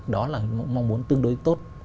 đó là mong muốn tương đối tốt